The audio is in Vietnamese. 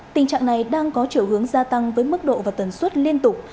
tình trạng này đang có chiều hướng gia tăng với mức độ và tần suất liên tục